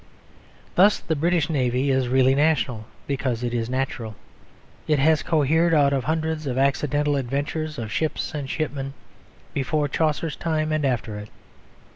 Thus the British Navy is really national because it is natural; it has co hered out of hundreds of accidental adventures of ships and shipmen before Chaucer's time and after it.